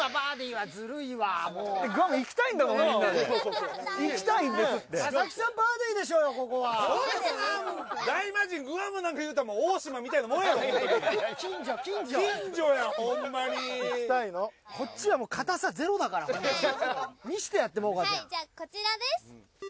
はいじゃあこちらです。